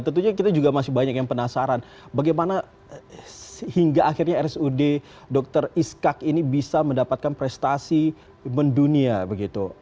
dan tentunya kita juga masih banyak yang penasaran bagaimana sehingga akhirnya rsud dr iskak ini bisa mendapatkan prestasi mendunia begitu